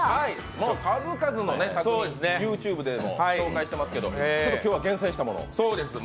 数々の作品をＹｏｕＴｕｂｅでも発表してますけど、今日は厳選したものを？